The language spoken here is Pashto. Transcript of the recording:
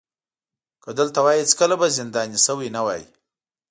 که دلته وای هېڅکله به زنداني شوی نه وای.